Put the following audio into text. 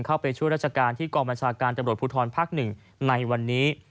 เข้าไปช่วยราชการที่กรมราชาการจำรวจภูทรภักดิ์๑ในวันนี้